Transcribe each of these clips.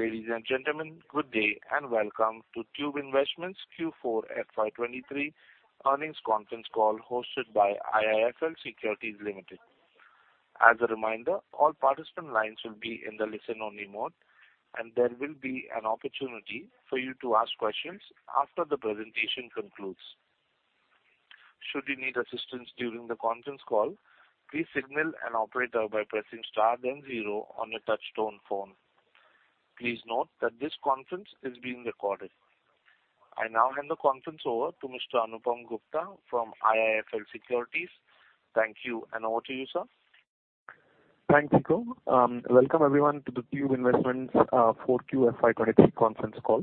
Ladies and gentlemen, good day and welcome to Tube Investments Q4 FY 2023 earnings conference call hosted by IIFL Securities Limited. As a reminder, all participant lines will be in the listen-only mode, and there will be an opportunity for you to ask questions after the presentation concludes. Should you need assistance during the conference call, please signal an operator by pressing star then zero on your touch tone phone. Please note that this conference is being recorded. I now hand the conference over to Mr. Anupam Gupta from IIFL Securities. Thank you. Over to you, sir. Thanks, Hima. Welcome everyone to the Tube Investments of India 4Q FY 2023 conference call.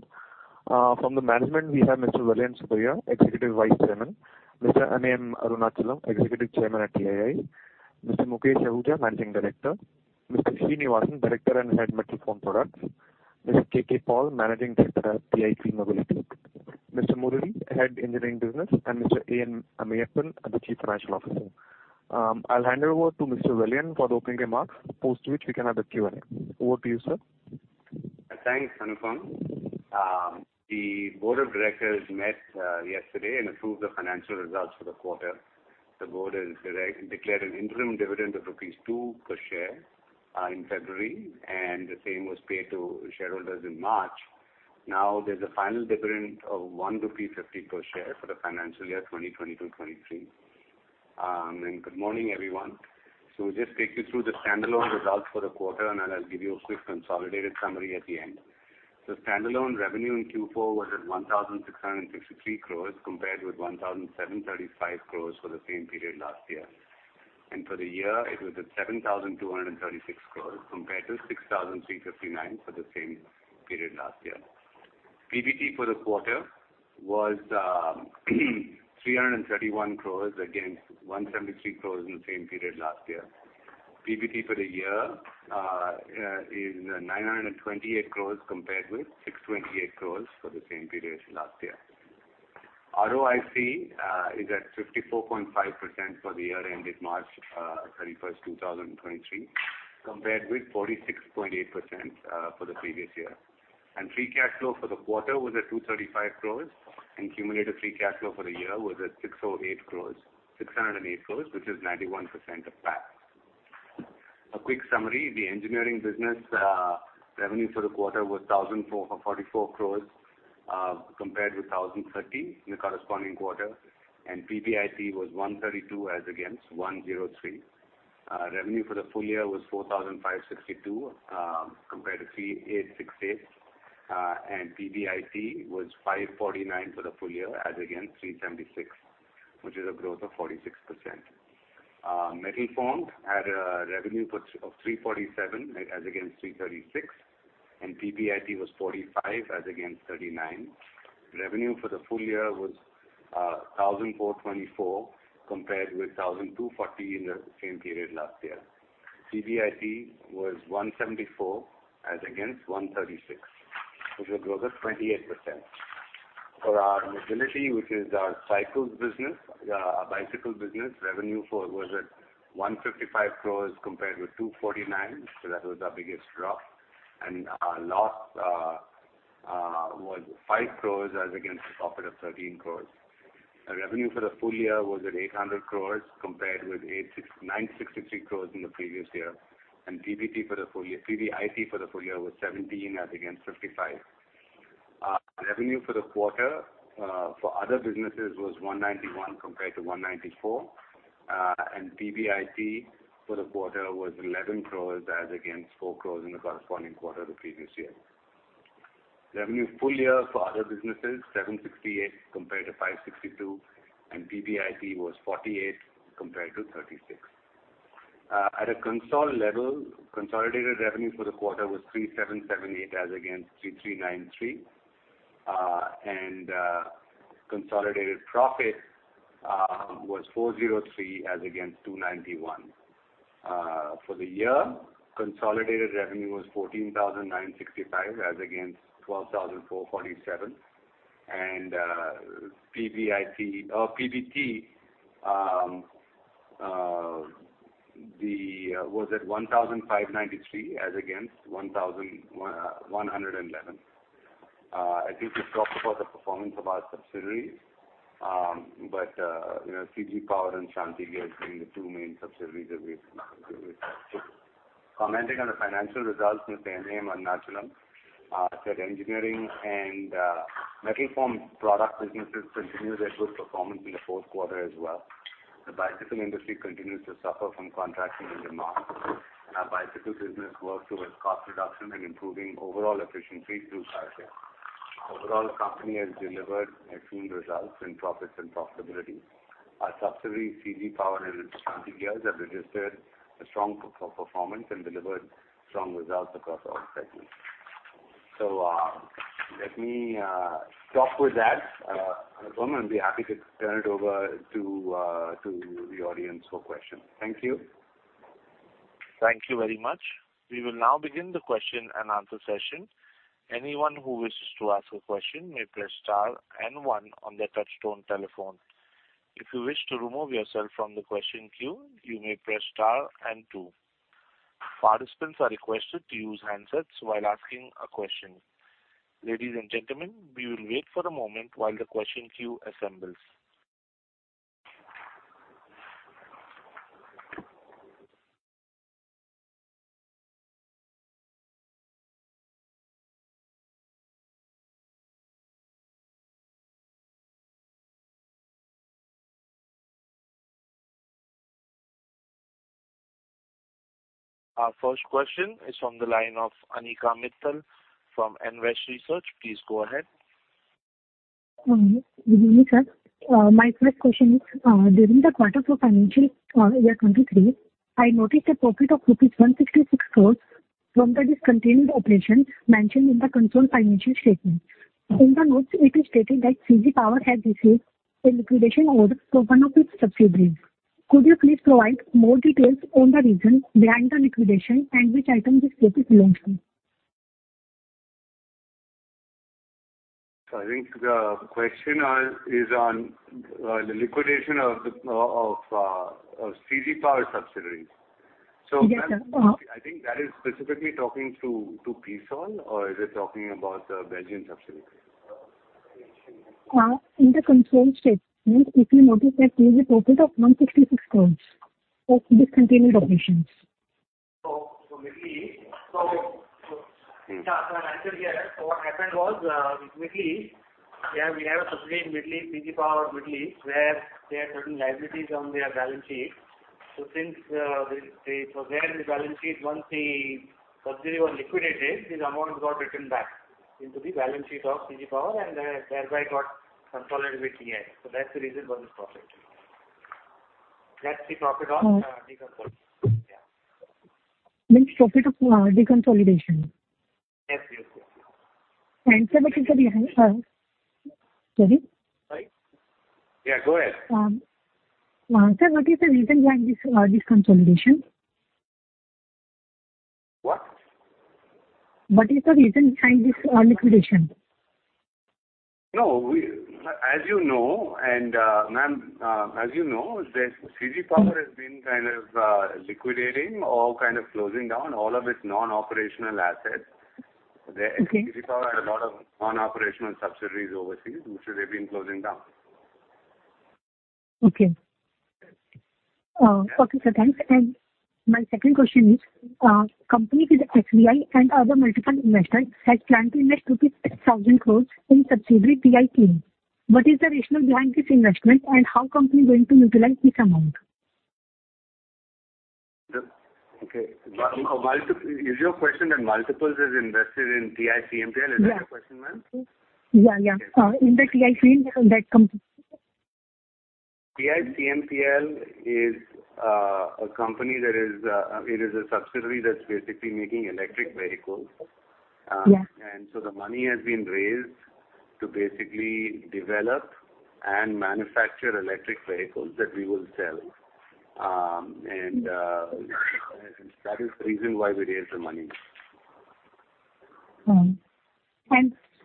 From the management we have Mr. Vellayan Subbiah, Executive Vice Chairman; Mr. M. A. M. Arunachalam, Executive Chairman at TII; Mr. Mukesh Ahuja, Managing Director; Mr. Srinivasan, Director and Head Metal Form Products; Mr. K.K. Paul, Managing Director at TI Clean Mobility; Mr. Murali, Head Engineering Business; and Mr. A. N. Meyyappan, the Chief Financial Officer. I'll hand over to Mr. Vellayan for the opening remarks, post which we can have the Q&A. Over to you, sir. Thanks, Anupam. The board of directors met yesterday and approved the financial results for the quarter. The board has declared an interim dividend of rupees 2 per share in February, and the same was paid to shareholders in March. There's a final dividend of 1.50 rupee per share for the financial year 2020-2023. Good morning, everyone. We'll just take you through the standalone results for the quarter, and then I'll give you a quick consolidated summary at the end. The standalone revenue in Q4 was at 1,663 crores compared with 1,735 crores for the same period last year. For the year, it was at 7,236 crores compared to 6,359 crores for the same period last year. PBT for the quarter was 331 crores against 173 crores in the same period last year. PBT for the year is 928 crores compared with 628 crores for the same period last year. ROIC is at 54.5% for the year ended March 31, 2023 compared with 46.8% for the previous year. Free cash flow for the quarter was at 235 crores, and cumulative free cash flow for the year was at 608 crores, which is 91% of PAT. A quick summary, the engineering business revenue for the quarter was 1,444 crores compared with 1,030 crores in the corresponding quarter, and PBIT was 132 crores as against 103 crores. Revenue for the full year was 4,562, compared to 3,868. PBIT was 549 for the full year as against 376, which is a growth of 46%. TI Metal Forming had a revenue of 347 as against 336, and PBIT was 45 as against 39. Revenue for the full year was 1,424 compared with 1,240 in the same period last year. PBIT was 174 as against 136, which is a growth of 28%. For our Mobility, which is our cycles business, bicycle business, revenue was at 155 crores compared with 249, so that was our biggest drop. And our loss was 5 crores as against a profit of 13 crores. Our revenue for the full year was at 800 crores compared with 963 crores in the previous year. PBIP for the full year was 17 as against 55. Revenue for the quarter for other businesses was 191 compared to 194. PBIP for the quarter was 11 crores as against 4 crores in the corresponding quarter the previous year. Revenue full year for other businesses, 768 compared to 562, PBIP was 48 compared to 36. At a console level, consolidated revenue for the quarter was 3,778 as against 3,393. Consolidated profit was 403 as against 291. For the year, consolidated revenue was 14,965 as against 12,447. PBIP... PBT was at 1,593 as against 1,111. I think we've talked about the performance of our subsidiaries. You know, CG Power and Shanthi Gears being the two main subsidiaries that we've took. Commenting on the financial results, Mr. M. A. M. Arunachalam said engineering and Metal Form product businesses continued their good performance in the Q4 as well. The bicycle industry continues to suffer from contracting in demand. Our bicycle business works towards cost reduction and improving overall efficiency through 5S. Overall, the company has delivered excellent results in profits and profitability. Our subsidiaries, CG Power and Shanthi Gears, have registered a strong performance and delivered strong results across all segments. Let me stop with that. Anupam, I'll be happy to turn it over to the audience for questions. Thank you. Thank you very much. We will now begin the question and answer session. Anyone who wishes to ask a question may press star one on their touchtone telephone. If you wish to remove yourself from the question queue, you may press star two. Participants are requested to use handsets while asking a question. Ladies and gentlemen, we will wait for a moment while the question queue assembles. Our first question is from the line of Anika Mittal from Nvest Research. Please go ahead. Good evening, sir. My first question is, during the quarter for financial year 2023, I noticed a profit of 166 crores from the discontinued operation mentioned in the control financial statement. In the notes, it is stated that CG Power has received a liquidation order for one of its subsidiaries. Could you please provide more details on the reason behind the liquidation and which item this profit belongs to? I think the question is on the liquidation of the of CG Power subsidiaries. Yes, sir. I think that is specifically talking to Sedis or is it talking about the Belgian subsidiary? In the control state, we quickly notice that there's a profit of 166 crores for discontinued operations. I'll answer here. What happened was, with Middle East, yeah, we have a subsidiary in Middle East, CG Middle East FZE, where they had certain liabilities on their balance sheet. Since they were there in the balance sheet, once the subsidiary was liquidated, these amounts got written back into the balance sheet of CG Power and thereby got consolidated with the end. That's the reason for this profit. That's the profit of deconsolidation. Yeah. Means profit of deconsolidation. Yes. Yes. Yes. sir, is there any... Sorry. Sorry. Yeah, go ahead. Sir, what is the reason behind this deconsolidation? What? What is the reason behind this liquidation? No. As you know, and, ma'am, as you know, this CG Power has been kind of liquidating or kind of closing down all of its non-operational assets. Okay. The CG Power had a lot of non-operational subsidiaries overseas, which they've been closing down. Okay. Okay, sir. Thanks. My second question is, company with TICMPL and other multiple investors has planned to invest INR 6,000 crores in subsidiary TICMPL. What is the rationale behind this investment and how company going to utilize this amount? Okay. Is your question that multiples is invested in TICMPL? Yeah. Is that your question, ma'am? Yeah, yeah. In the TICMPL, that company. TICMPL is a company that is, it is a subsidiary that's basically making electric vehicles. Yeah. The money has been raised to basically develop and manufacture electric vehicles that we will sell. That is the reason why we raised the money.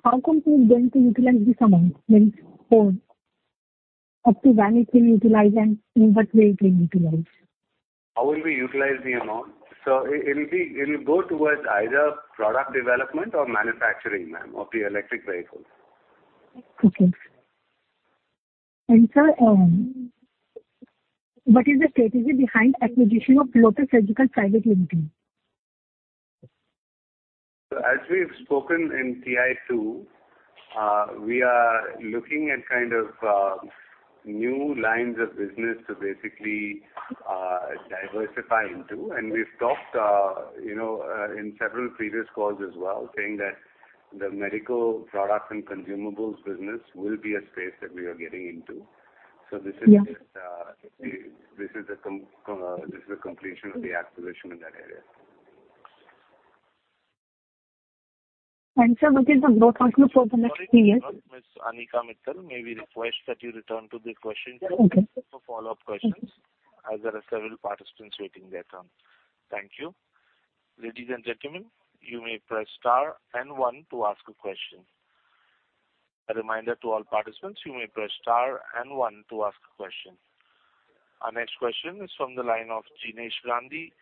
How company going to utilize this amount? Means for up to when it will utilize and in what way it will utilize? How will we utilize the amount? It'll go towards either product development or manufacturing, ma'am, of the electric vehicles. Okay. Sir, what is the strategy behind acquisition of Lotus Surgicals Private Limited? As we've spoken in TI-2, we are looking at kind of new lines of business to basically diversify into. We've talked, you know, in several previous calls as well, saying that the medical products and consumables business will be a space that we are getting into. Yeah. This is the completion of the acquisition in that area. Sir, what is the growth outlook for the next three years? Sorry to interrupt, Miss Anika Mittal. May we request that you return to the question queue. Okay. for follow-up questions, as there are several participants waiting their turn. Thank you. Ladies and gentlemen, you may press star and one to ask a question. A reminder to all participants, you may press star and one to ask a question. Our next question is from the line of Jinesh Gandhi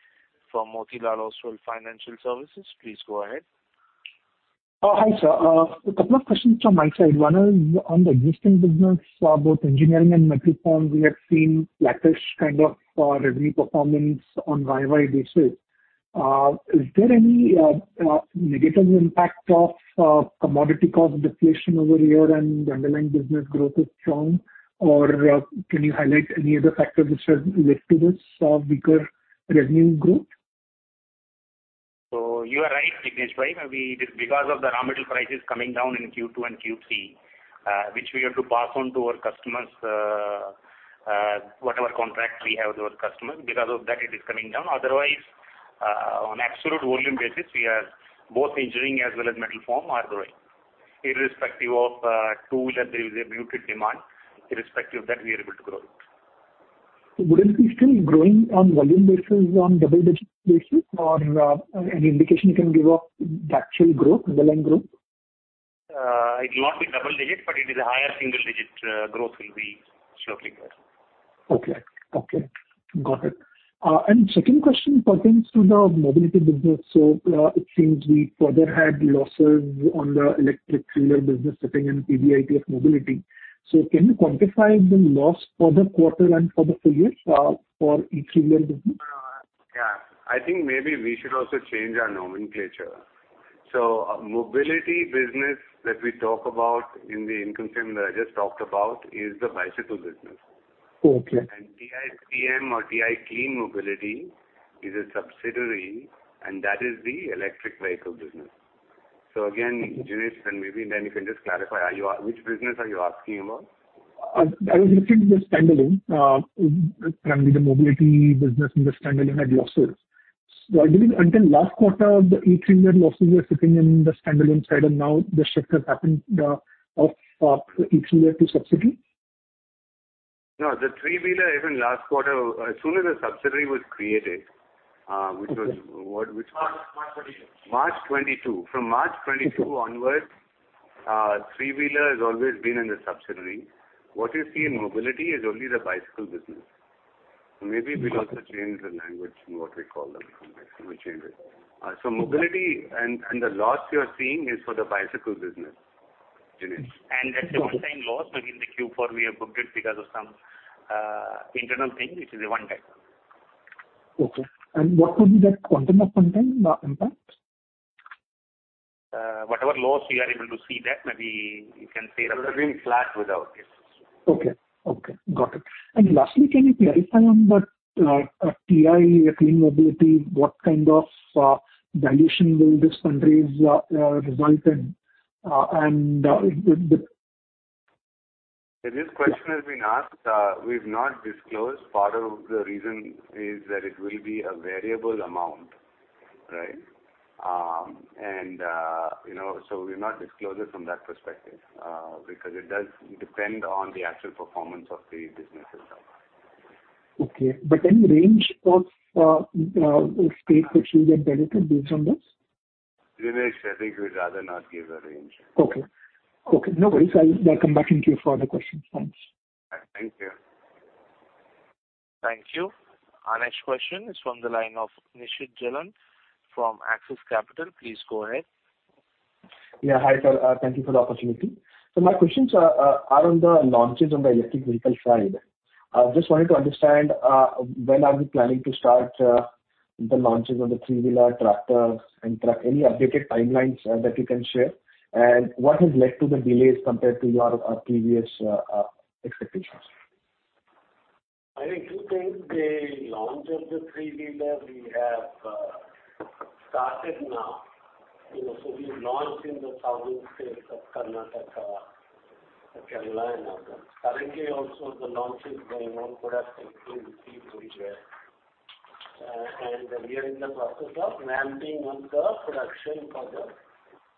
from Motilal Oswal Financial Services. Please go ahead. Hi, sir. A couple of questions from my side. One is on the existing business, both engineering and Metal Forming, we have seen flattish kind of revenue performance on Y-o-Y basis. Is there any negative impact of commodity cost deflation over here and underlying business growth is strong? Can you highlight any other factors which have led to this weaker revenue growth? You are right, Jinesh, right. Because of the raw material prices coming down in Q2 and Q3, which we have to pass on to our customers, whatever contract we have with our customers, because of that, it is coming down. Otherwise, on absolute volume basis, we are both engineering as well as Metal Forming are growing. Irrespective of, two-wheeler, there is a muted demand, irrespective of that, we are able to grow. Wouldn't it be still growing on volume basis on double-digit basis or an indication you can give of the actual growth, underlying growth? It will not be double digit, but it is a higher single digit, growth will be certainly there. Okay. Okay, got it. Second question pertains to the Mobility business. It seems we further had losses on the electric three-wheeler business sitting in EBIT of Mobility. Can you quantify the loss for the quarter and for the full year, for e-three-wheeler business? Yeah. I think maybe we should also change our nomenclature. Mobility business that we talk about in the income statement that I just talked about is the bicycle business. Okay. TICM or TI Clean Mobility is a subsidiary, and that is the electric vehicle business. Again, Jinesh, and maybe then you can just clarify, are you which business are you asking about? I was looking at the standalone, currently the Mobility business in the standalone had losses. I believe until last quarter, the e-3-wheeler losses were sitting in the standalone side. Now the shift has happened of e-3-wheeler to subsidiary. No, the three-wheeler even last quarter, as soon as the subsidiary was created, which was what? March. March 22. March 2022. From March 2022 onwards, three-wheeler has always been in the subsidiary. What you see in Mobility is only the bicycle business. Maybe we'll also change the language in what we call them. We'll change it. Mobility and the loss you're seeing is for the bicycle business, Jinesh. That's a one-time loss. Maybe in the Q4 we have booked it because of some internal thing, which is a one-time. Okay. What will be that quantum of content, impact? Whatever loss we are able to see that maybe you can say that. It will be flat without this. Okay. Okay. Got it. Lastly, can you clarify on that TI Clean Mobility, what kind of dilution will this country's result in? The... This question has been asked. We've not disclosed. Part of the reason is that it will be a variable amount, right? You know, so we've not disclosed it from that perspective, because it does depend on the actual performance of the business itself. Okay. Any range of stake which you get diluted based on this? Jinesh, I think we'd rather not give a range. Okay. Okay, no worries. I'll come back to you for other questions. Thanks. Thank you. Thank you. Our next question is from the line of Nishit Jalan from Axis Capital. Please go ahead. Yeah. Hi, sir. Thank you for the opportunity. My questions are on the launches on the electric vehicle side. I just wanted to understand when are we planning to start the launches on the 3-wheeler tractors and truck, any updated timelines that you can share? What has led to the delays compared to your previous expectations? I think two things. The launch of the three-wheeler we have started now. You know, we've launched in the southern states of Karnataka, Kerala and other. Currently also the launch is going on. Product is being received very well. And we are in the process of ramping up the production for the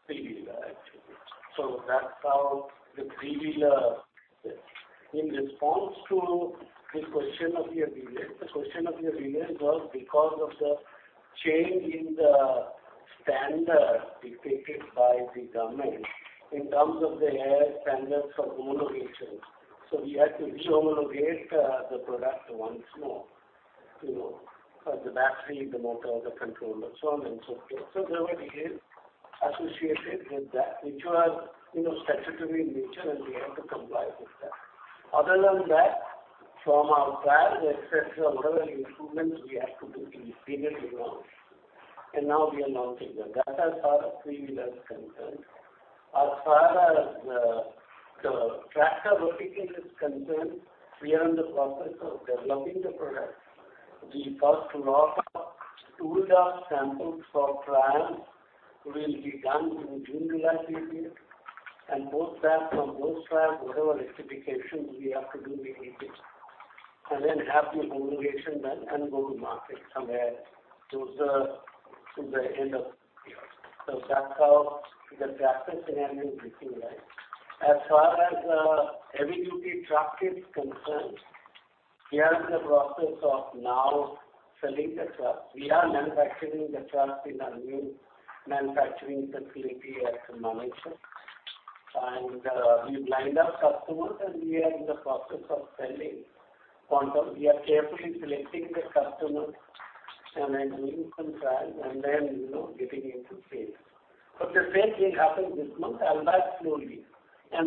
three-wheeler actually. That's how the three-wheeler is. In response to the question of your delays, the question of your delays was because of the change in the standard dictated by the government in terms of the air standards for homologation. We had to re-homologate the product once more, you know, for the battery, the motor, the controller, so on and so forth. There were delays associated with that, which was, you know, statutory in nature, and we had to comply with that. Other than that, from our trial, et cetera, whatever improvements we had to do, we did it alone. Now we are launching them. That as far as three-wheeler is concerned. As far as the tractor vehicle is concerned, we are in the process of developing the product. The first lot of tooled up samples for trial will be done in June, July period. Post that, from those trials, whatever rectifications we have to do, we will do. Then have the homologation done and go to market somewhere to the end of the year. That's how the tractor scenario is looking like. As far as heavy-duty truck is concerned, we are in the process of now selling the truck. We are manufacturing the truck in our new manufacturing facility at Manesar. We've lined up customers, and we are in the process of selling quantum. We are carefully selecting the customer and then doing some trials and then, you know, getting into sales. The sales will happen this month, albeit slowly. You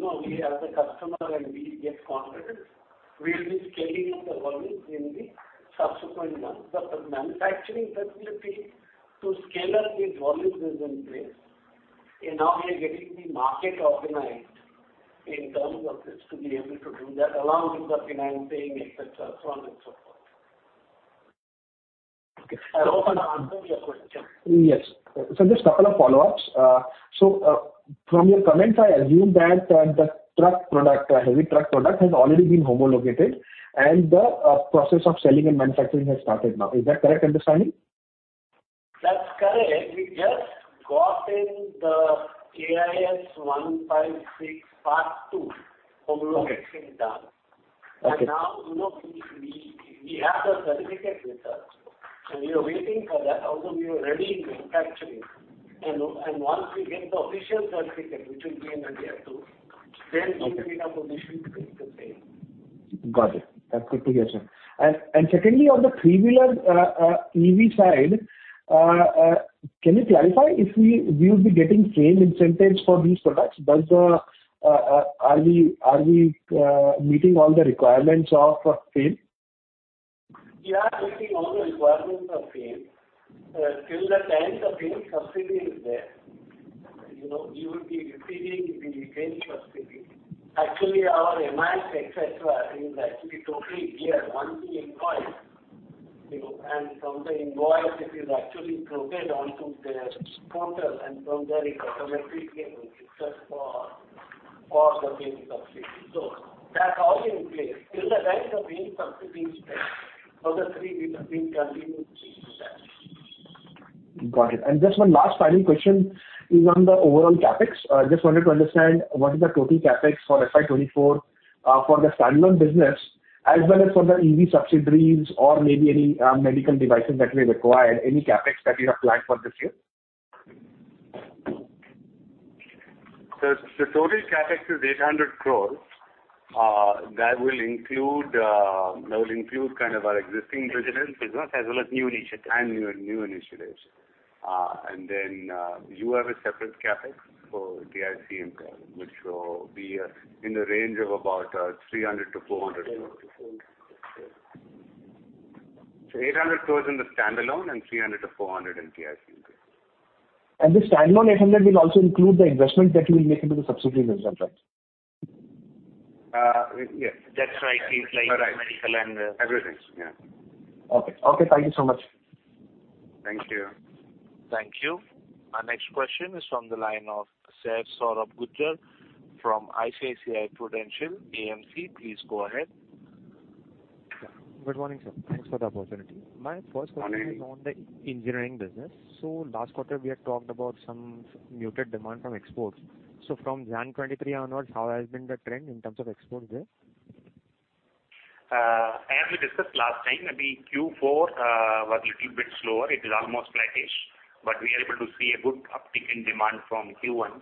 know, we as a customer and we get confident, we'll be scaling up the volumes in the subsequent months. The manufacturing facility to scale up these volumes is in place. We are getting the market organized in terms of this to be able to do that along with the financing, et cetera, so on and so forth. Okay. I hope I answered your question. Yes. Just 2 follow-ups. From your comments, I assume that, the truck product, heavy truck product has already been homologated and the process of selling and manufacturing has started now. Is that correct understanding? That's correct. We just got in the AIS 156 part two homologation done. Okay. Now, you know, we have the certificate with us, and we are waiting for that, although we are ready in manufacturing. Once we get the official certificate, which will be in a day or 2, then we will be in a position to increase the pace. Got it. That's good to hear, sir. Secondly, on the three-wheeler EV side, can you clarify if we will be getting same incentives for these products? Are we meeting all the requirements of FAME? We are meeting all the requirements of FAME. Till the 10th of June, subsidy is there. You know, you will be receiving the FAME subsidy. Actually, our Mobility etc. is actually totally geared 100%, you know. From the invoice, it is actually uploaded onto their portal, and from there it automatically goes just for the FAME subsidy. That's all in place. Till the 10th of June, subsidy is there for the three-wheeler. We continue to see that. Got it. Just one last final question is on the overall Capex. Just wanted to understand what is the total Capex for FY 2024 for the standalone business as well as for the EV subsidiaries or maybe any medical devices that may require any Capex that you have planned for this year? The total Capex is 800 crores. That will include kind of our existing business. Existing business as well as new initiatives. New initiatives. You have a separate Capex for TICMPL, which will be in the range of about 300 crores- 400 crores. INR 300 crores- INR400 crores. Yeah. 800 crore in the standalone and 300 crore-400 crore in TICMPL. The standalone 800 will also include the investment that you will make into the subsidiaries as well, right? Yes. That's right. Things like medical and, Everything, yeah. Okay. Okay, thank you so much. Thank you. Thank you. Our next question is from the line of Saurabh Ghadge from ICICI Prudential AMC. Please go ahead. Good morning, sir. Thanks for the opportunity. Good morning. My first question is on the engineering business. Last quarter, we had talked about some muted demand from exports. From January 2023 onwards, how has been the trend in terms of exports there? As we discussed last time, I mean, Q4 was little bit slower. It is almost flattish. We are able to see a good uptick in demand from Q1.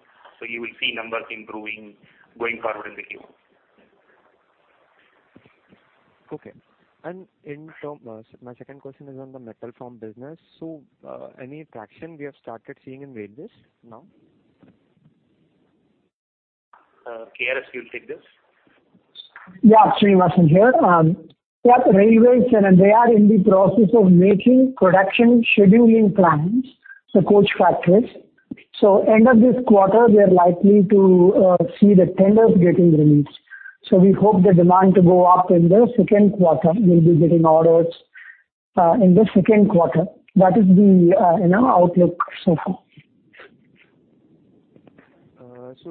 You will see numbers improving going forward in the Q1. Okay. In term, so my second question is on the Metal Forming business. Any traction we have started seeing in railways now? KRS, you take this. Yeah, Srinivasan here. Yeah, railways and they are in the process of making production scheduling plans, the coach factories. End of this quarter, we are likely to see the tenders getting released. We hope the demand to go up in the Q2. We'll be getting orders in the Q2. That is the, you know, outlook so far.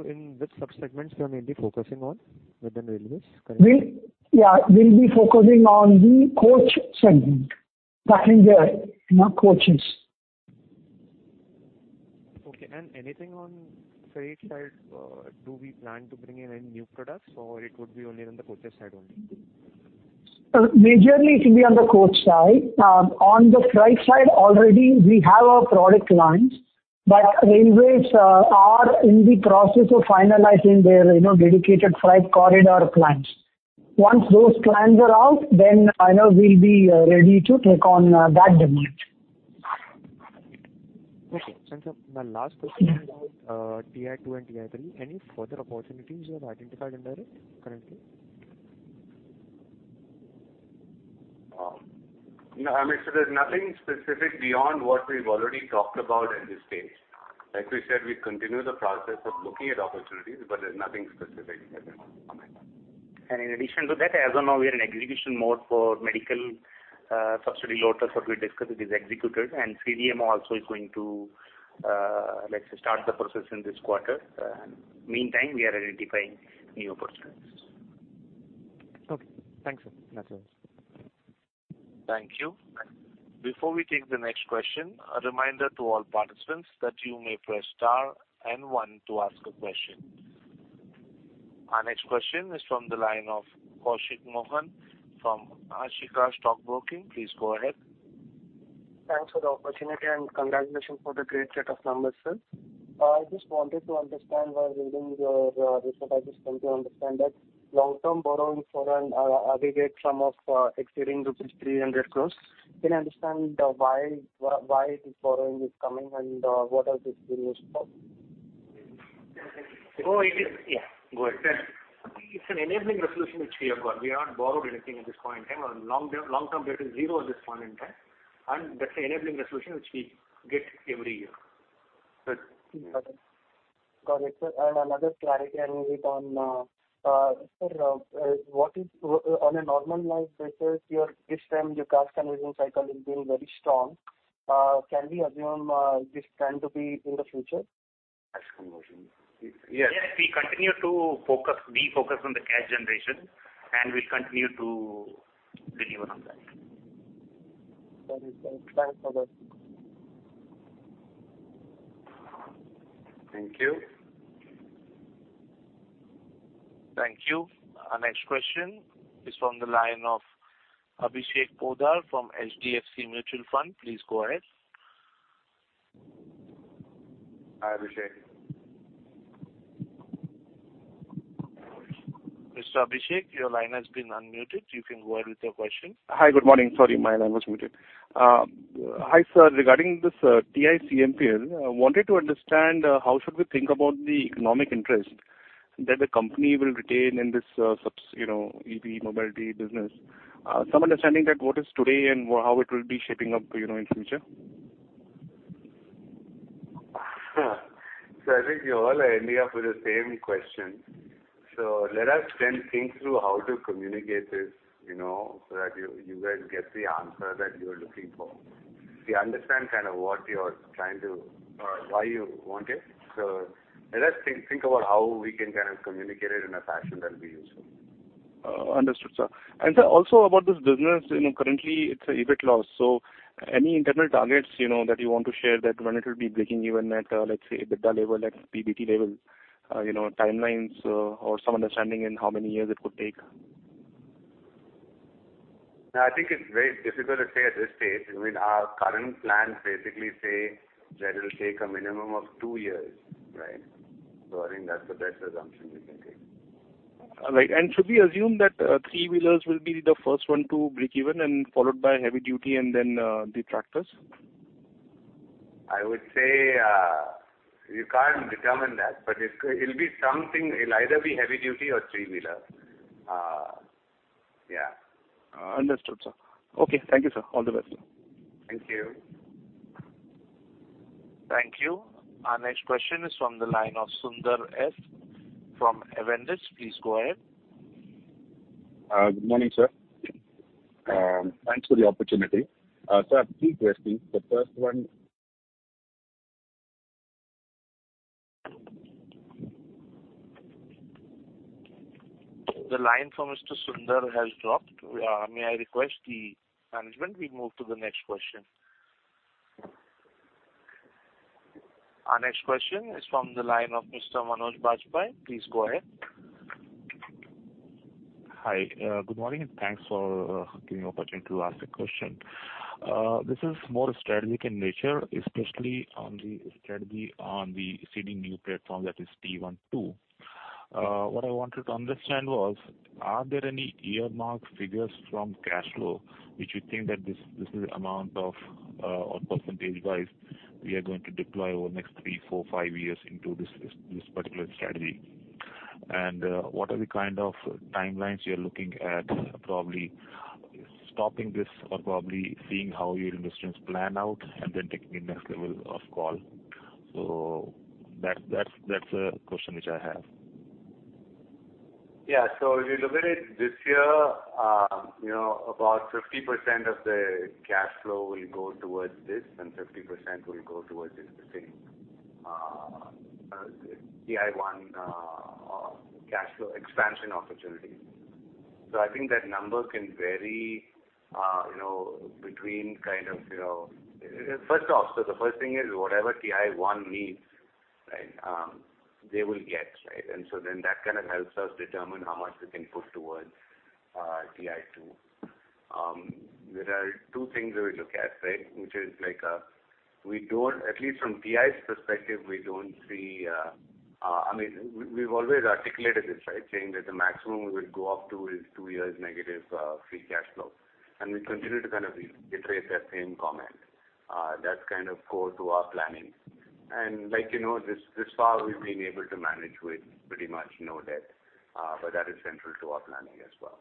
In which subsegments you are mainly focusing on within railways? Correct. Yeah, we'll be focusing on the coach segment, passenger, you know, coaches. Okay. Anything on freight side? Do we plan to bring in any new products, or it would be only on the coaches side only? Majorly it will be on the coach side. On the freight side already we have our product lines. Railways are in the process of finalizing their, you know, dedicated freight corridor plans. Once those plans are out, then, you know, we'll be ready to take on that demand. Okay. Sir, my last question is about TI-2 and TI-3. Any further opportunities you have identified in there currently? No, I mean, there's nothing specific beyond what we've already talked about at this stage. We said, we continue the process of looking at opportunities, but there's nothing specific that I can comment on. In addition to that, as of now, we are in acquisition mode for medical subsidy loaders that we discussed, it is executed. CDMO also is going to, let's say, start the process in this quarter. Meantime, we are identifying new opportunities. Okay, thanks, sir. That's all. Thank you. Before we take the next question, a reminder to all participants that you may press star and one to ask a question. Our next question is from the line of Kaushik Mohan from Ashika Stock Broking. Please go ahead. Thanks for the opportunity and congratulations for the great set of numbers, sir. I just wanted to understand while reading your recent IPO DRHP to understand that long-term borrowing for an aggregate sum of exceeding rupees 300 crores. Can you understand, why this borrowing is coming and what are these being used for? It is... Yeah, go ahead. It's an enabling resolution which we have got. We have not borrowed anything at this point in time. Our long-term debt is 0 at this point in time. That's the enabling resolution which we get every year. Sir. Got it. Got it, sir. Another clarity I need on, sir, on a normalized basis, this time your cash conversion cycle is being very strong. Can we assume this trend to be in the future? Yes, we focus on the cash generation, and we continue to deliver on that. That is great. Thanks for that. Thank you. Thank you. Our next question is from the line of Abhishek Poddar from HDFC Mutual Fund. Please go ahead. Hi, Abhishek. Mr. Abhishek, your line has been unmuted. You can go ahead with your question. Hi, good morning. Sorry, my line was muted. Hi, sir. Regarding this, TICMPL, I wanted to understand, how should we think about the economic interest that the company will retain in this, you know, EV Mobility business? Some understanding that what is today and how it will be shaping up, you know, in future. I think you all are ending up with the same question. Let us then think through how to communicate this, you know, so that you guys get the answer that you are looking for. We understand kind of what you're trying to or why you want it. Let us think about how we can kind of communicate it in a fashion that'll be useful. Understood, sir. Sir, also about this business, you know, currently it's a EBIT loss, any internal targets, you know, that you want to share that when it will be breaking even at, let's say, EBITDA level, at PBT level, you know, timelines, or some understanding in how many years it could take? I think it's very difficult to say at this stage. I mean, our current plans basically say that it'll take a minimum of two years, right? I think that's the best assumption we can take. All right. Should we assume that three-wheelers will be the first one to break even and followed by heavy duty and then, the tractors? I would say, you can't determine that, but it'll be something. It'll either be heavy duty or three-wheeler. Yeah. understood, sir. Okay. Thank you, sir. All the best. Thank you. Thank you. Our next question is from the line of Sundar S from Avendus. Please go ahead. Good morning, sir. Thanks for the opportunity. Sir, 2 questions. The first one- The line from Mr. Sundar has dropped. May I request the management, we move to the next question. Our next question is from the line of Mr. Manoj Bahety. Please go ahead. Hi, good morning, and thanks for giving opportunity to ask a question. This is more strategic in nature, especially on the strategy on the seeding new platform that is TI-2. What I wanted to understand was, are there any earmark figures from cash flow which you think that this is the amount of, or percentage-wise we are going to deploy over the next three, four, five years into this particular strategy? What are the kind of timelines you're looking at probably stopping this or probably seeing how your investments plan out and then taking the next level of call? That's a question which I have. If you look at it this year, you know, about 50% of the cash flow will go towards this, and 50% will go towards this thing, TI-1 cash flow expansion opportunity. I think that number can vary, you know, between kind of, you know. First off, the first thing is whatever TI-1 needs, right, they will get, right? That kind of helps us determine how much we can put towards TI-2. There are 2 things we will look at, right? Which is like, we don't. At least from TII's perspective, we don't see, I mean, we've always articulated this, right, saying that the maximum we will go up to is 2 years negative free cash flow. We continue to kind of reiterate that same comment. That's kind of core to our planning. This, this far we've been able to manage with pretty much no debt, but that is central to our planning as well.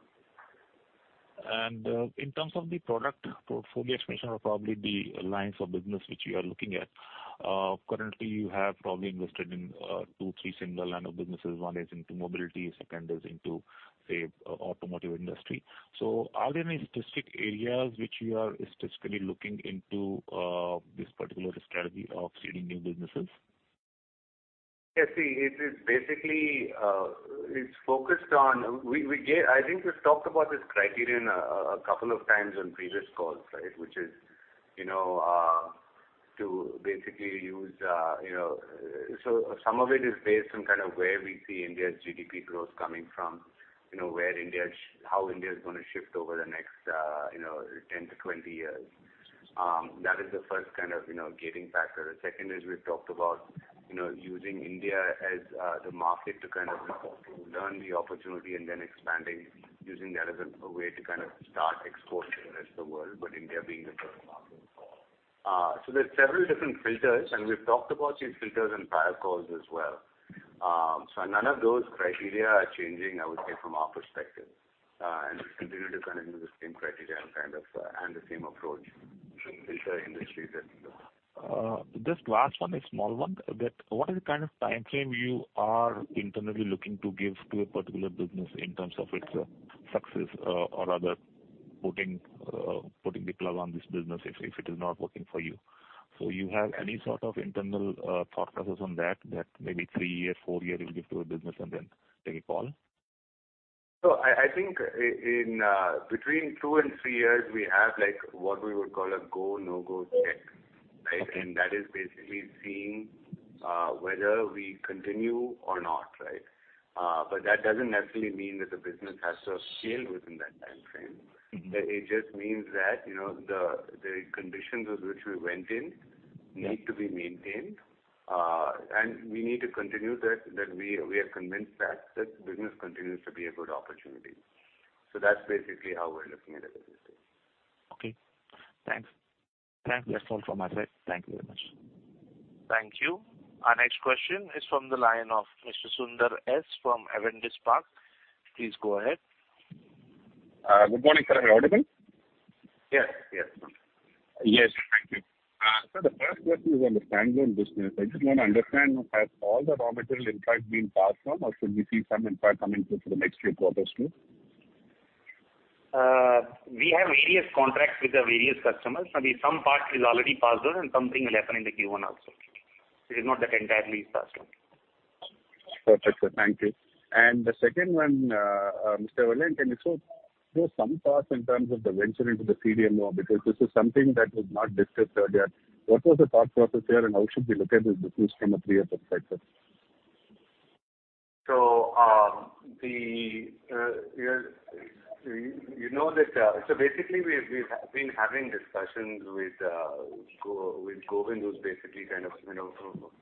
In terms of the product portfolio expansion or probably the lines of business which you are looking at, currently you have probably invested in, two, three single line of businesses. One is into Mobility, second is into, say, automotive industry. Are there any specific areas which you are specifically looking into, this particular strategy of seeding new businesses? Yes. See, it is basically, it's focused on. I think we've talked about this criterion a couple of times on previous calls, right? Which is, you know, to basically use, you know. Some of it is based on kind of where we see India's GDP growth coming from, you know, where India how India is gonna shift over the next, you know, 10 to 20 years. That is the first kind of, you know, gating factor. The second is we've talked about, you know, using India as the market to kind of learn the opportunity and then expanding, using that as a way to kind of start exporting to the rest of the world, but India being the first market for. There are several different filters, and we've talked about these filters in prior calls as well. None of those criteria are changing, I would say, from our perspective. We've continued to kind of use the same criteria and kind of, and the same approach to filter industries that we look at. Just last one, a small one. What is the kind of timeframe you are internally looking to give to a particular business in terms of its success or rather putting the plug on this business if it is not working for you? You have any sort of internal thought process on that maybe three year, four year you'll give to a business and then take a call? I think in between two and three years we have, like, what we would call a go, no-go check, right? That is basically seeing whether we continue or not, right? That doesn't necessarily mean that the business has to scale within that timeframe. It just means that, you know, the conditions with which we went in... Yeah. need to be maintained. We need to continue that we are convinced that business continues to be a good opportunity. That's basically how we're looking at it at this stage. Okay, thanks. That's all from my side. Thank you very much. Thank you. Our next question is from the line of Mr. Sundar S from Avendus Spark. Please go ahead. Good morning, sir. Am I audible? Yes, yes. Yes. Thank you. The first question is on the Standalone business. I just want to understand, have all the raw material impact been passed on or should we see some impact coming through for the next few quarters too? We have various contracts with the various customers. Maybe some part is already passed on and something will happen in the Q1 also. It is not that entirely is passed on. Perfect, sir. Thank you. The second one, Mr. Vellayan, can you throw some thoughts in terms of the venture into the CDMO because this is something that was not discussed earlier? What was the thought process there, and how should we look at this business from a three-year perspective? Basically we've been having discussions with Govind, who's basically kind of, you know,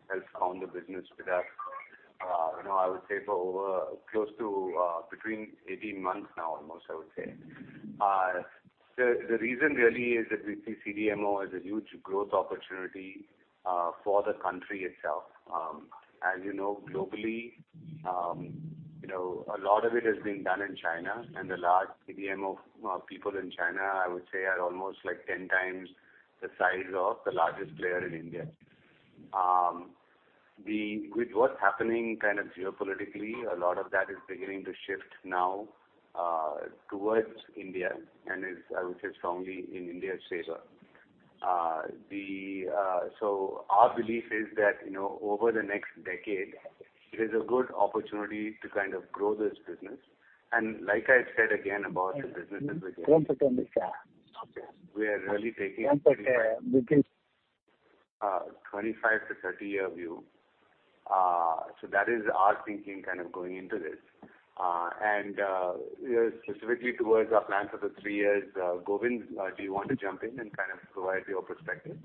helped found the business with us, you know, I would say for over close to between 18 months now almost, I would say. The reason really is that we see CDMO as a huge growth opportunity for the country itself. As you know, globally, you know, a lot of it is being done in China and the large CDMO people in China, I would say are almost like 10 times the size of the largest player in India. With what's happening kind of geopolitically, a lot of that is beginning to shift now towards India and is, I would say, strongly in India's favor. Our belief is that, you know, over the next decade it is a good opportunity to kind of grow this business. Like I said, again, about the businesses. One second. Okay. We are really taking- One second. 25-30-year view. That is our thinking kind of going into this. Specifically towards our plans for the three years, Govind, do you want to jump in and kind of provide your perspective?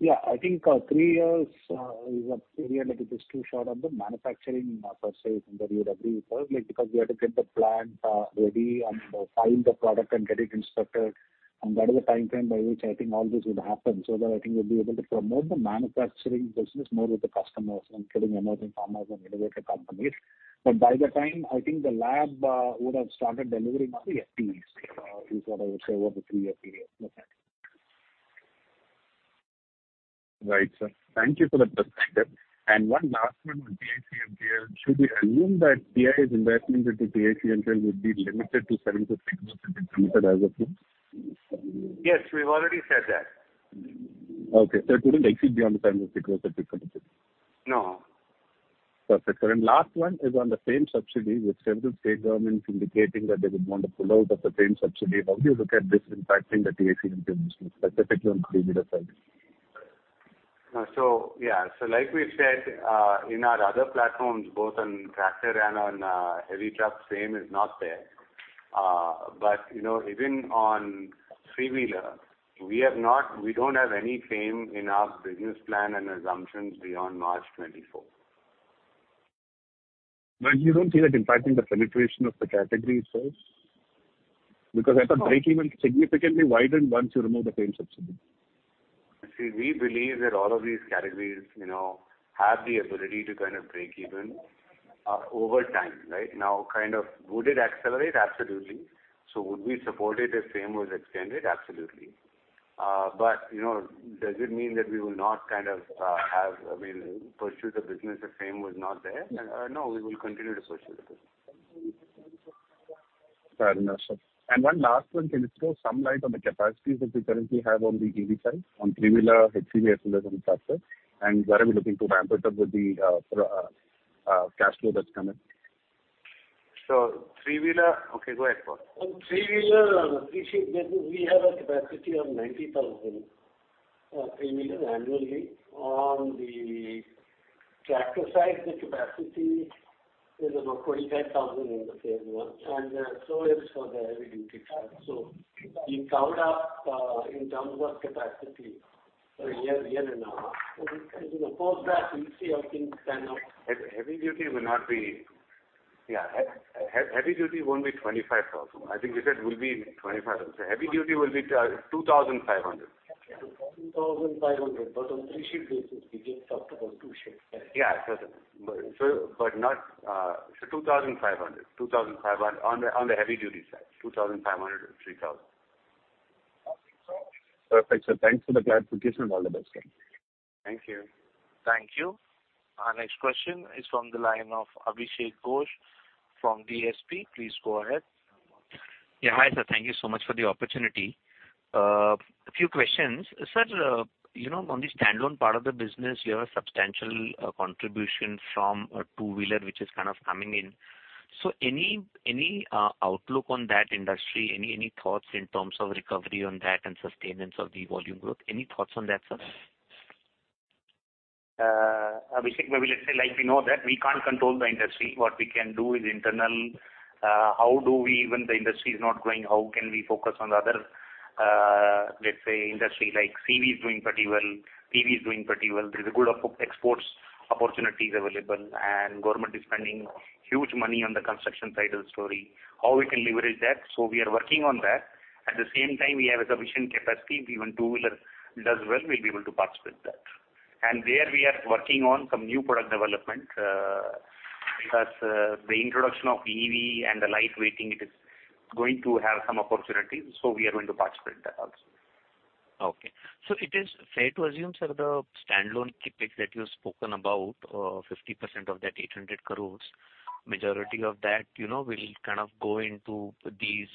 Yeah. I think 3 years is a period that is too short on the manufacturing per se from the view of RE. Because we have to get the plant ready and file the product and get it inspected, and that is the timeframe by which I think all this would happen. I think we'll be able to promote the manufacturing business more with the customers, including emerging pharmas and innovative companies. By that time, I think the lab would have started delivering by year three is what I would say, over the three-year period. Right, sir. Thank you for that perspective. One last one on TICMPL. Should we assume that TI's investment into TICMPL would be limited to 7%-8% considered as a team? Yes, we've already said that. Okay. It wouldn't exceed beyond the 7%-8%. No. Perfect, sir. Last one is on the FAME subsidy, with several state governments indicating that they would want to pull out of the FAME subsidy. How do you look at this impacting the TICMPL business, specifically on three-wheeler side? In our other platforms, both on tractor and on heavy trucks, FAME is not there. Even on three-wheeler, we don't have any FAME in our business plan and assumptions beyond March 24th. You don't see that impacting the penetration of the category itself? Because I thought breakeven significantly widened once you remove the FAME subsidy. See, we believe that all of these categories, you know, have the ability to kind of break even, over time, right? Kind of would it accelerate? Absolutely. Would we support it if FAME was extended? Absolutely. You know, does it mean that we will not kind of, have, I mean, pursue the business if FAME was not there? No, we will continue to pursue the business. Fair enough, sir. One last one. Can you throw some light on the capacities that you currently have on the EV side, on three-wheeler, HCV, and tractor? Where are we looking to ramp it up with the cash flow that's coming? three-wheeler. Okay, go ahead, Paul. On three-wheeler, we see that we have a capacity of 90,000 three-wheeler annually. On the tractor side, the capacity is about 45,000 in the FAME One, and so is for the heavy-duty trucks. We covered up, in terms of capacity for a year and a half. Of course, that we'll see how things pan out. Heavy duty will not be. Yeah. Heavy duty won't be 25,000. I think we said we'll be 2,500. Heavy duty will be 2,500. 2,500, but on 3-shift basis. We just talked about 2 shifts. Yeah. But not 2,500. 2,500 on the heavy duty side, 2,500 or 3,000. Perfect, sir. Thanks for the clarification, and all the best. Thank you. Thank you. Our next question is from the line of Abhishek Ghosh from DSP. Please go ahead. Yeah, hi, sir. Thank you so much for the opportunity. A few questions. Sir, you know, on the standalone part of the business, you have a substantial contribution from a two-wheeler, which is kind of coming in. Any outlook on that industry? Any thoughts in terms of recovery on that and sustenance of the volume growth? Any thoughts on that, sir? Abhishek, maybe let's say like we know that we can't control the industry. What we can do is internal. When the industry is not growing, how can we focus on the other, let's say industry like CV is doing pretty well, PV is doing pretty well. There's a good of exports opportunities available, and government is spending huge money on the construction side of the story. How we can leverage that? We are working on that. At the same time, we have sufficient capacity. If even two-wheeler does well, we'll be able to participate that. There we are working on some new product development, because the introduction of EV and the light weighting, it is going to have some opportunities, so we are going to participate that also. It is fair to assume, sir, the standalone Capex that you've spoken about, 50% of that 800 crores, majority of that, you know, will kind of go into these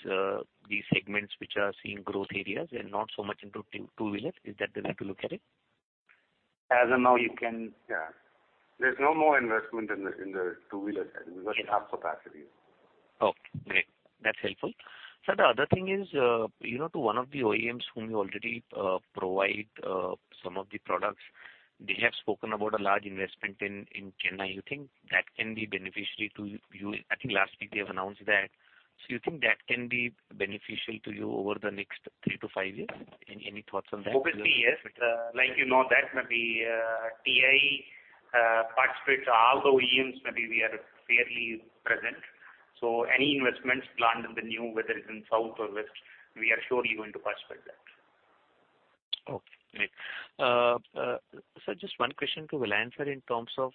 segments which are seeing growth areas and not so much into two-wheelers. Is that the way to look at it? As of now, you can. Yeah. There's no more investment in the, in the two-wheeler side. We've got enough capacity. Okay, great. That's helpful. Sir, the other thing is, you know, to one of the OEMs whom you already provide some of the products, they have spoken about a large investment in Chennai. You think that can be beneficiary to you? I think last week they have announced that. You think that can be beneficial to you over the next 3-5 years? Any, any thoughts on that? Hopefully, yes. Like you know that maybe, TI participates all the OEMs, maybe we are fairly present. Any investments planned in the new, whether it's in south or west, we are surely going to participate that. Okay, great. Sir, just one question to Vellayan, sir in terms of,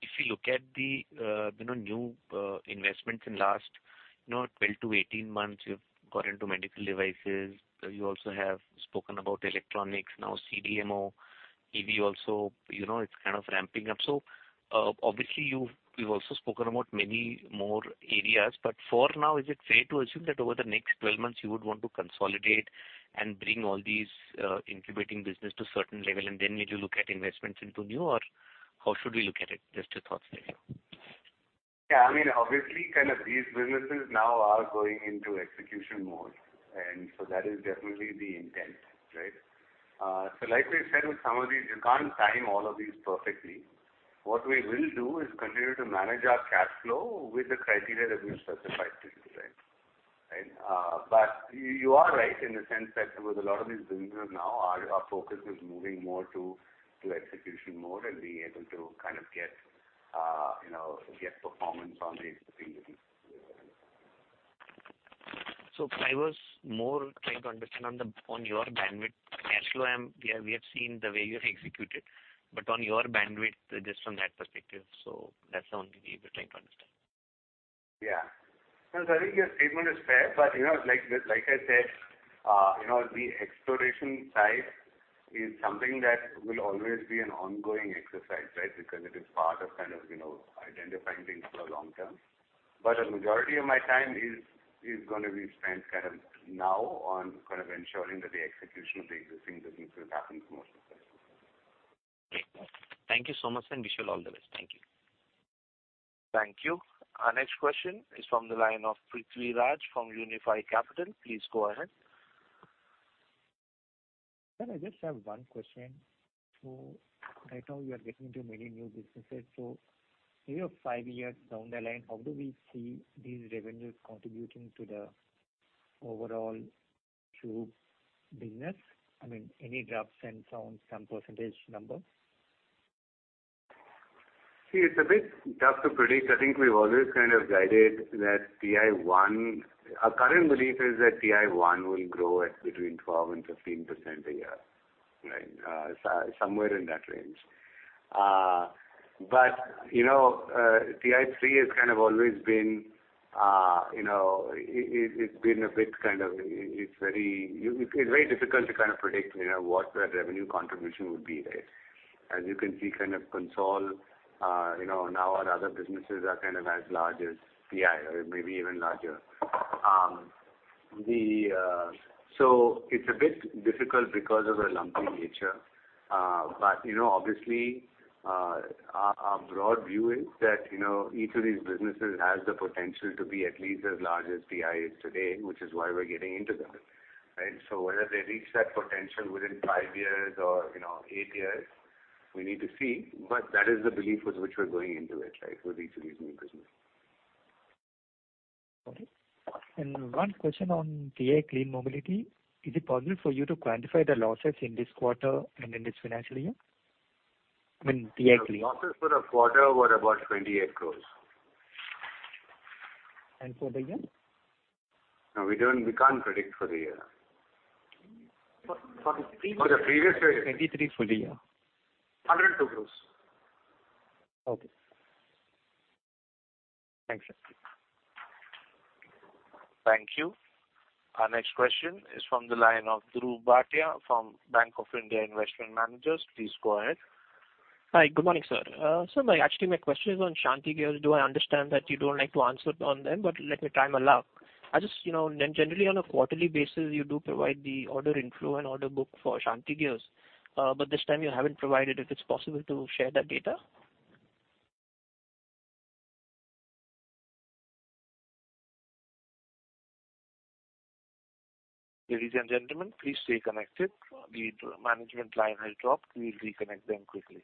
if you look at the, you know, new investments in last, you know, 12-18 months, you've got into medical devices, you also have spoken about electronics. Now CDMO, EV also, you know, it's kind of ramping up. Obviously, you've also spoken about many more areas. For now, is it fair to assume that over the next 12 months you would want to consolidate and bring all these incubating business to certain level and then need to look at investments into new or how should we look at it? Just your thoughts there. Yeah, I mean, obviously, kind of these businesses now are going into execution mode, and so that is definitely the intent, right? Like we said, with some of these, you can't time all of these perfectly. What we will do is continue to manage our cash flow with the criteria that we've specified to you today, right? You are right in the sense that with a lot of these businesses now, our focus is moving more to execution mode and being able to kind of get, you know, get performance on these things. I was more trying to understand on the, on your bandwidth. Cash flow, we have seen the way you have executed, but on your bandwidth, just from that perspective. That's the only thing we're trying to understand. Yeah. No, I think your statement is fair. You know, like I said, you know, the exploration side is something that will always be an ongoing exercise, right? Because it is part of kind of, you know, identifying things for the long term. A majority of my time is gonna be spent kind of now on kind of ensuring that the execution of the existing business happens more successfully. Great. Thank you so much. Wish you all the best. Thank you. Thank you. Our next question is from the line of Prithvi Raj from Unifi Capital. Please go ahead. Sir, I just have one question. Right now you are getting into many new businesses. Maybe of five years down the line, how do we see these revenues contributing to the overall group business? I mean, any rough sense on some percentage number? See, it's a bit tough to predict. I think we've always guided that TI-1. Our current belief is that TI-1 will grow at between 12% and 15% a year, right? Somewhere in that range. You know, TI-3 has always been, you know, it's been a bit, it's very difficult to predict, you know, what the revenue contribution would be, right? As you can see console, you know, now our other businesses are as large as TII or maybe even larger. It's a bit difficult because of the lumpy nature. You know, obviously, our broad view is that, you know, each of these businesses has the potential to be at least as large as TI is today, which is why we're getting into them, right? Whether they reach that potential within 5 years or, you know, 8 years, we need to see. That is the belief with which we're going into it, right, with each of these new businesses. Okay. 1 question on TI Clean Mobility. Is it possible for you to quantify the losses in this quarter and in this financial year? I mean, TI Clean. Losses for the quarter were about 28 crores. For the year? No, we don't, we can't predict for the year. For the previous- For the previous year. 2023 full year. 102 crores. Okay. Thank you. Thank you. Our next question is from the line of Dhruv Bhatia from Bank of India Investment Managers. Please go ahead. Hi. Good morning, sir. my, actually, my question is on Shanthi Gears. Though I understand that you don't like to answer on them, let me try my luck. I just, you know, generally on a quarterly basis, you do provide the order inflow and order book for Shanthi Gears. this time you haven't provided it. If it's possible to share that data. Ladies and gentlemen, please stay connected. The management line has dropped. We'll reconnect them quickly.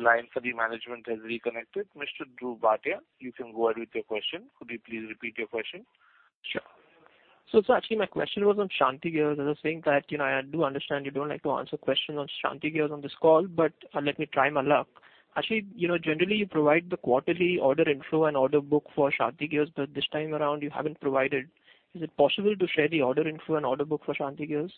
The line for the management has reconnected. Mr. Dhruv Bhatia, you can go ahead with your question. Could you please repeat your question? Sure. Sir, actually my question was on Shanthi Gears. As I was saying that, you know, I do understand you don't like to answer questions on Shanthi Gears on this call, let me try my luck. Actually, you know, generally you provide the quarterly order inflow and order book for Shanthi Gears, this time around you haven't provided. Is it possible to share the order inflow and order book for Shanthi Gears?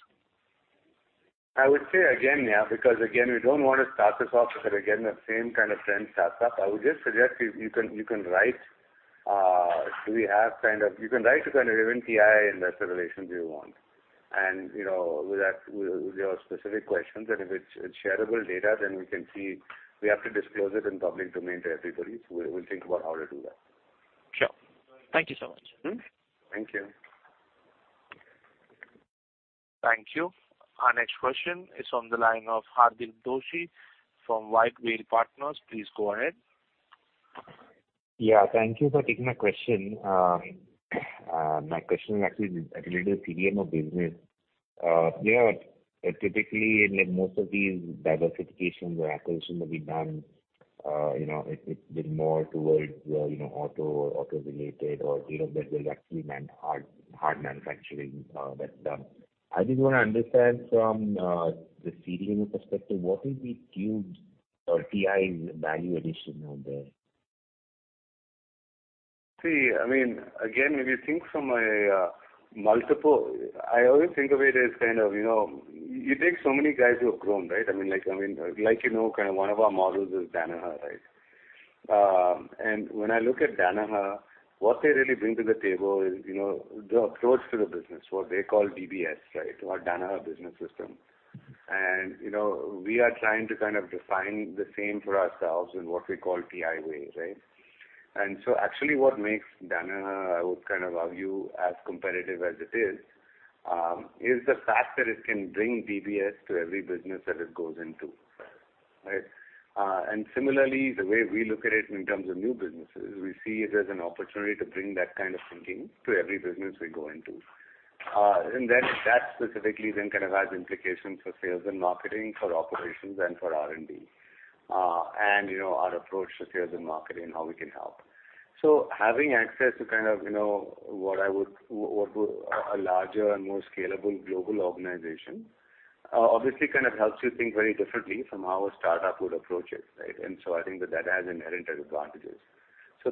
I would say again, yeah, because again, we don't wanna start this off, but again, the same kind of trend starts up. I would just suggest you can, you can write to kind of relevant TI investor relations if you want, and, you know, with your specific questions. If it's shareable data, then we can see. We have to disclose it in public domain to everybody, so we'll think about how to do that. Sure. Thank you so much. Thank you. Thank you. Our next question is on the line of Hardeep Doshi from Whitewave Partners. Please go ahead. Thank you for taking my question. My question is actually related to CDMO of business. You know, typically in like most of these diversifications or acquisitions that we've done, you know, it's been more towards, you know, auto or auto related or, you know, that there's actually hard manufacturing that's done. I just wanna understand from the CDMO perspective, what is the cube or TI's value addition out there? See, I mean, again, when you think from a multiple... I always think of it as kind of, you know, you take so many guys who have grown, right? I mean, like, you know, kind of one of our models is Danaher, right? And when I look at Danaher, what they really bring to the table is, you know, the approach to the business, what they call DBS, right? Or Danaher Business System. You know, we are trying to kind of define the same for ourselves in what we call TI Way, right? Actually what makes Danaher, I would kind of argue, as competitive as it is the fact that it can bring DBS to every business that it goes into, right? Similarly, the way we look at it in terms of new businesses, we see it as an opportunity to bring that kind of thinking to every business we go into. That specifically then kind of has implications for sales and marketing, for operations and for R&D. You know, our approach to sales and marketing and how we can help. Having access to kind of, you know, what I would a larger and more scalable global organization, obviously kind of helps you think very differently from how a startup would approach it, right? I think that that has inherent advantages.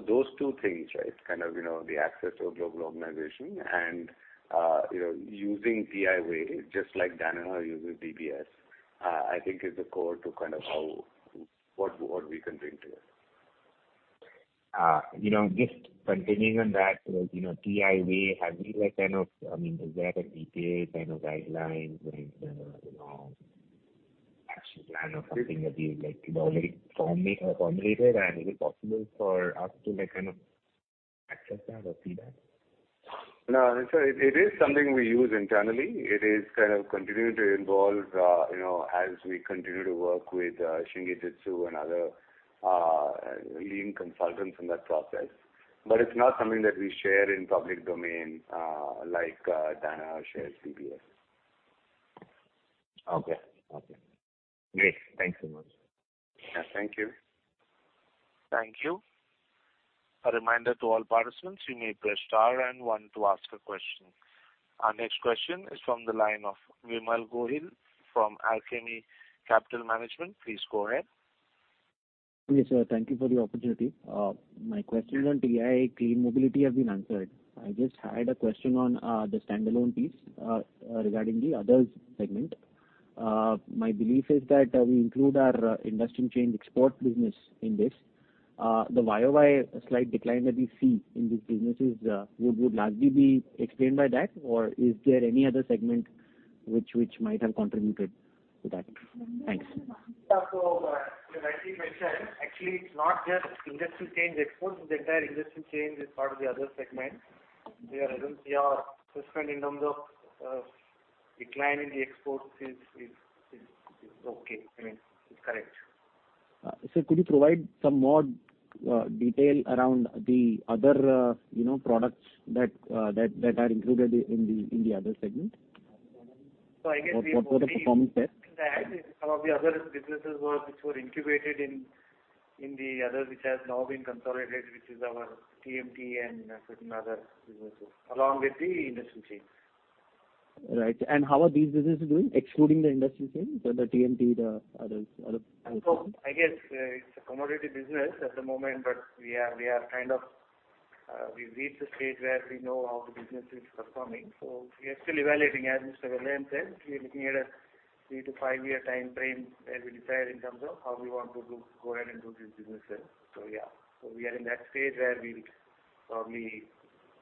Those two things, right? Kind of, you know, the access to a global organization and, you know, using TI Way just like Danaher uses DBS, I think is the core to kind of how, what we can bring to it. You know, just continuing on that, you know, TI Way, have you like kind of, I mean, is there a detailed kind of guidelines like, you know, action plan or something that you like, you know, like formulated, and is it possible for us to like kind of access that or see that? No. It is something we use internally. It is kind of continuing to evolve, you know, as we continue to work with Shingijutsu and other lean consultants in that process. It's not something that we share in public domain, like Danaher shares DBS. Okay. Okay. Great. Thank you so much. Yeah, thank you. Thank you. A reminder to all participants, you may press star and one to ask a question. Our next question is from the line of Vimal Gohil from Alchemy Capital Management. Please go ahead. Yes, sir. Thank you for the opportunity. My questions on TI Clean Mobility have been answered. I just had a question on the standalone piece regarding the others segment. My belief is that we include our industry chain export business in this. The Y-o-Y slight decline that we see in these businesses, would largely be explained by that or is there any other segment which might have contributed to that? Thanks. Yeah. You rightly mentioned, actually, it's not just industrial chain exports. The entire industrial chain is part of the other segment. Their items, their assessment in terms of, decline in the exports is okay. I mean, it's correct. Could you provide some more detail around the other, you know, products that are included in the, in the other segment? I guess. What was the performance there? Some of the other businesses which were incubated in the other, which has now been consolidated, which is our TMT and certain other businesses, along with the industrial chain. Right. How are these businesses doing, excluding the industrial chain, the TMT, the others, other components? I guess, it's a commodity business at the moment, but we are kind of, we've reached a stage where we know how the business is performing, so we are still evaluating. As Mr. Vellayan said, we're looking at a three to five-year timeframe that we desire in terms of how we want to go ahead and do this business, sir. Yeah. We are in that stage where we'll probably.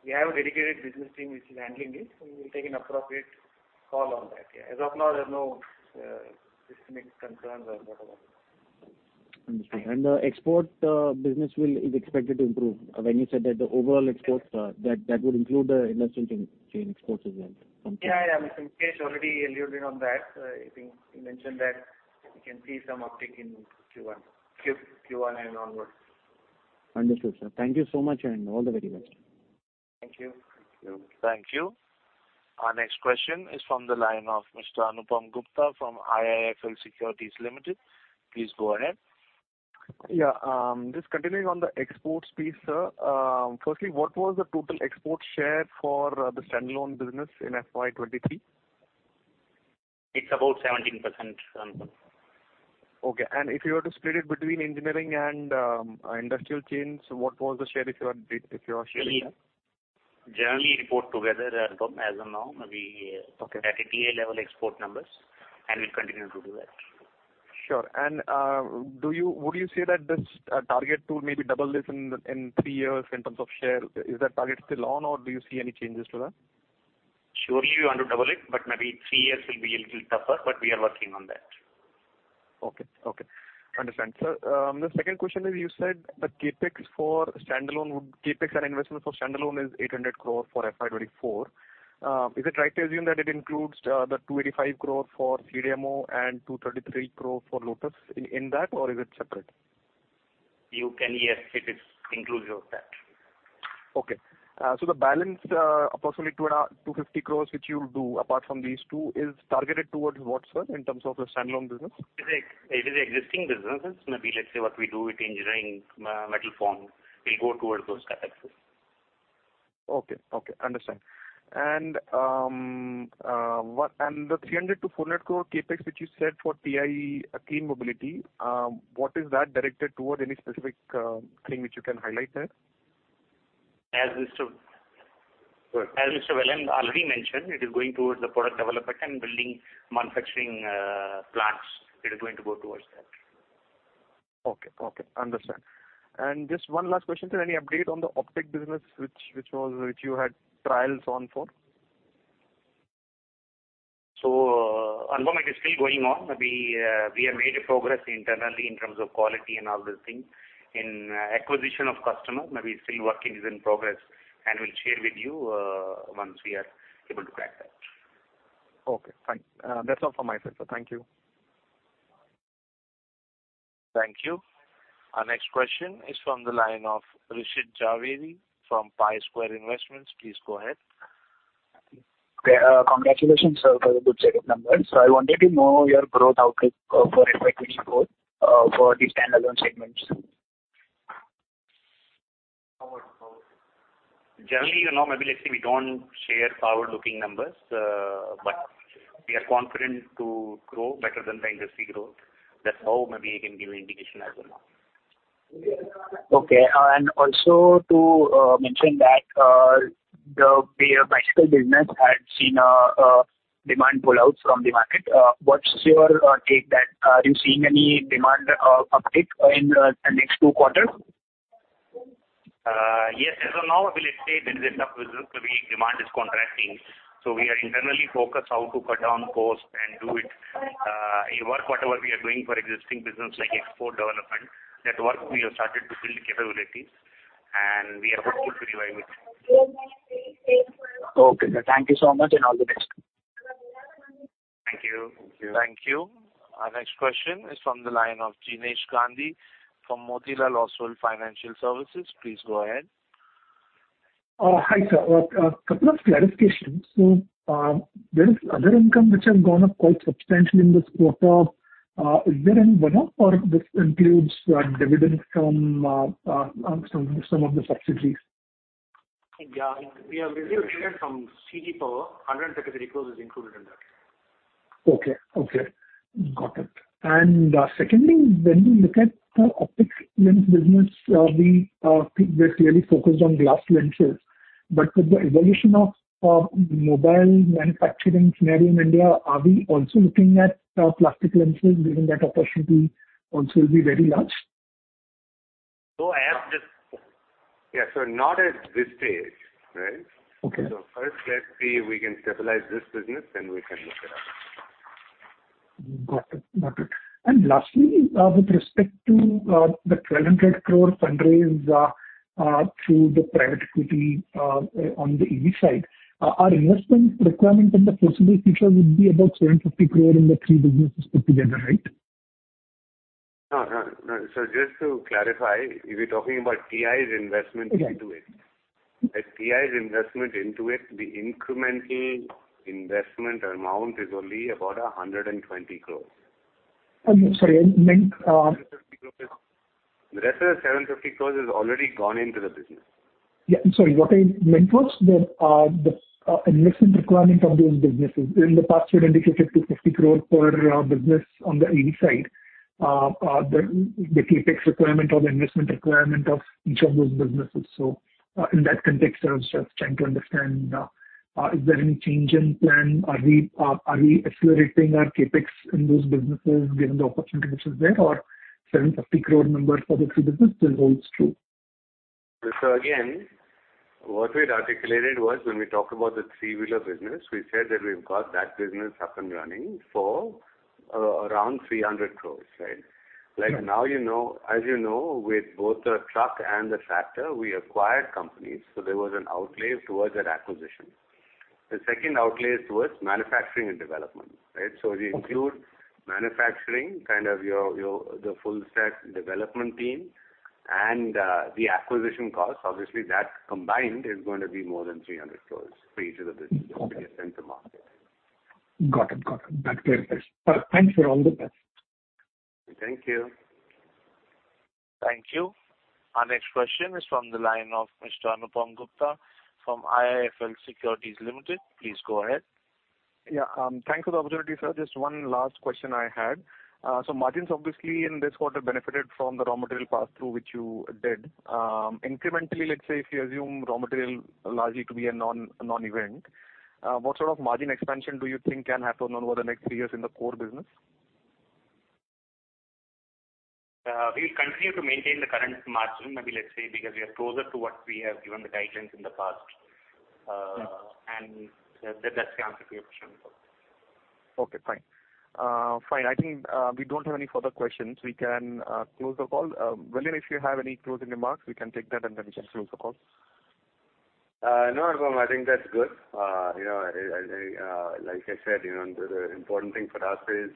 We have a dedicated business team which is handling it, so we will take an appropriate call on that. Yeah. As of now, there's no systemic concerns or whatever. The export business is expected to improve. When you said that the overall exports, that would include the industrial chain exports as well from. Yeah, yeah. I mean, Mukesh already alluded on that. I think he mentioned that we can see some uptick in Q1 and onwards. Understood, sir. Thank you so much, and all the very best. Thank you. Thank you. Thank you. Our next question is from the line of Mr. Anupam Gupta from IIFL Securities Limited. Please go ahead. Just continuing on the exports piece, sir. Firstly, what was the total export share for the standalone business in FY 23? It's about 17%. Okay. If you were to split it between engineering and industrial chains, what was the share, if you are sharing that? We generally report together, Anupam, as of now. Okay. At a TI level export numbers, and we continue to do that. Sure. Would you say that this, target to maybe double this in three years in terms of share, is that target still on or do you see any changes to that? Surely we want to double it, but maybe three years will be a little tougher, but we are working on that. Okay. Okay. Understand. Sir, the second question is you said the Capex for standalone Capex and investment for standalone is 800 crore for FY 2024. Is it right to assume that it includes the 285 crore for CDMO and 233 crore for Lotus in that, or is it separate? You can, yes, it is inclusive of that. Okay. The balance, approximately 250 crores which you'll do apart from these two is targeted towards what, sir, in terms of the standalone business? It is existing businesses. Maybe let's say what we do with engineering, Metal Forming will go towards those Capexes. Okay. Okay. Understand. The INR 300 crore-INR 400 crore Capex which you said for TI Clean Mobility, what is that directed towards any specific thing which you can highlight there? As Good. As Mr. Vellayan already mentioned, it is going towards the product development and building manufacturing, plants. It is going to go towards that. Okay. Okay. Understand. Just one last question, sir. Any update on the optic business which you had trials on for? Anupam, it is still going on. We have made a progress internally in terms of quality and all these things. In acquisition of customer, but we're still working, is in progress, and we'll share with you, once we are able to crack that. Okay, fine. That's all from my side, sir. Thank you. Thank you. Our next question is from the line of Rishit Jhaveri from Pi Square Investments. Please go ahead. Okay. Congratulations, sir, for the good set of numbers. I wanted to know your growth outlook for FY 2024 for the standalone segments. Generally, you know, maybe let's say we don't share forward-looking numbers, but we are confident to grow better than the industry growth. That's how maybe I can give you indication as well. Okay. Also to mention that the bicycle business had seen a demand pullout from the market. What's your take that, are you seeing any demand uptick in the next two quarters? Yes. As of now, I will say there is enough business, maybe demand is contracting. We are internally focused how to cut down cost and do it. Work whatever we are doing for existing business like export development, that work we have started to build capabilities, and we are hopeful to revive it. Okay, sir. Thank you so much, and all the best. Thank you. Thank you. Thank you. Our next question is from the line of Jinesh Gandhi from Motilal Oswal Financial Services. Please go ahead. Hi, sir. A couple of clarifications. There is other income which has gone up quite substantially in this quarter. Is there any one-off or this includes, dividends from some of the subsidiaries? Yeah. We have received dividend from CG Power. 133 crores is included in that. Okay. Okay. Got it. Secondly, when we look at the optic lens business, we're clearly focused on glass lenses. With the evolution of mobile manufacturing scenario in India, are we also looking at plastic lenses, given that opportunity also will be very large? as this. Yeah. Not at this stage, right? Okay. First, let's see if we can stabilize this business, then we can look it up. Got it. Got it. Lastly, with respect to the 1,200 crore fundraise through the private equity on the EV side, our investment requirement in the foreseeable future would be about 750 crore in the three businesses put together, right? No, no. Just to clarify, you're talking about TI's investment into it. Yeah. TI's investment into it, the incremental investment amount is only about 120 crores. sorry, I meant, The rest of the 750 crores has already gone into the business. Yeah. I'm sorry. What I meant was there are, the investment requirement of those businesses. In the past, you had indicated 250 crore per business on the EV side. The Capex requirement or the investment requirement of each of those businesses. In that context, I was just trying to understand, is there any change in plan? Are we accelerating our Capex in those businesses given the opportunity which is there, or 750 crore number for the three business still holds true? What we'd articulated was when we talked about the three-wheeler business, we said that we've got that business up and running for, around 300 crores, right? Right. Now you know, as you know, with both the truck and the tractor, we acquired companies, so there was an outlays towards that acquisition. The second outlays was manufacturing and development, right? Okay. We include manufacturing, kind of the full stack development team and the acquisition cost. Obviously, that combined is going to be more than 300 crores for each of the business to get them to market. Got it. That's clear. Thanks for all the help. Thank you. Thank you. Our next question is from the line of Mr. Anupam Gupta from IIFL Securities Limited. Please go ahead. Yeah. Thanks for the opportunity, sir. Just 1 last question I had. Margins obviously in this quarter benefited from the raw material pass-through which you did. Incrementally, let's say if you assume raw material largely to be a non, a non-event, what sort of margin expansion do you think can happen over the next three years in the core business? we'll continue to maintain the current margin, maybe let's say because we are closer to what we have given the guidance in the past. Yes. That's the answer to your question. Okay. Fine. Fine. I think we don't have any further questions. We can close the call. Vellayan, if you have any closing remarks, we can take that and then we can close the call. no, Anupam. I think that's good. you know, like I said, you know, the important thing for us is,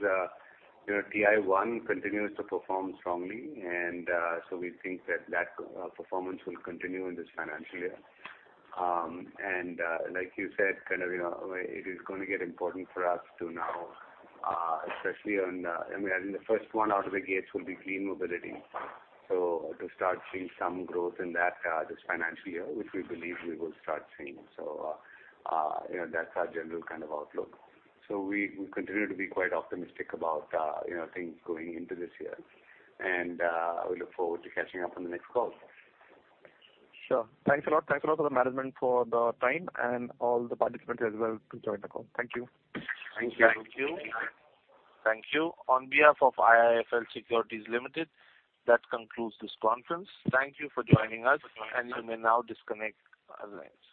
you know, TI-1 continues to perform strongly, and so we think that that performance will continue in this financial year. Like you said, kind of, you know, it is gonna get important for us to now, especially on the... I mean, I think the first one out of the gates will be Clean Mobility. To start seeing some growth in that this financial year, which we believe we will start seeing. You know, that's our general kind of outlook. We, we continue to be quite optimistic about, you know, things going into this year. We look forward to catching up on the next call. Sure. Thanks a lot. Thanks a lot for the management for the time and all the participants as well who joined the call. Thank you. Thank you. Thank you. Thank you. On behalf of IIFL Securities Limited, that concludes this conference. Thank you for joining us. You may now disconnect our lines.